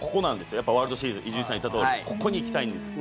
やっぱワールドシリーズ伊集院さんが言ったとこここに行きたいんです。